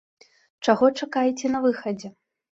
Чаго чакаеце на выхадзе?